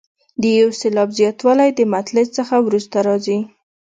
د یو سېلاب زیاتوالی د مطلع څخه وروسته راځي.